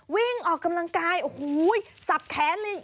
วิ่งออกกำลังกายโอ้โหสับแขนเลย